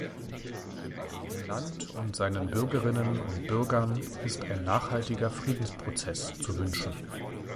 Dem Land und seinen Bürgerinnen und Bürgern ist ein nachhaltiger Friedensprozess zu wünschen.